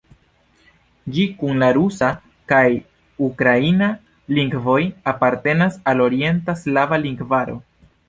Ĝi kun la rusa kaj ukraina lingvoj apartenas al Orienta slava lingvaro.